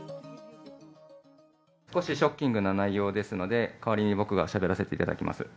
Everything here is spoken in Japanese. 少しショッキングな内容ですので、代わりに僕がしゃべらせていただきます。